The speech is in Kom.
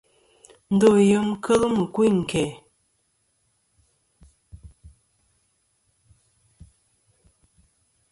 Ndo yem kel mɨkuyn ɨ̀nkæ̀.